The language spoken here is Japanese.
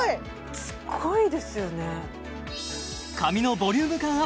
すごいですよね